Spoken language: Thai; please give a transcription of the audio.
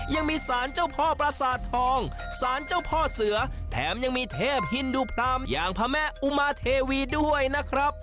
ยังมีสารเจ้าพ่อประสาททองสารเจ้าพ่อเสือแถมยังมีเทพฮินดูพรามอย่างพระแม่อุมาเทวีด้วยนะครับ